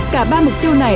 cả ba mục tiêu này